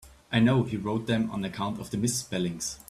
I know he wrote them on account of the misspellings.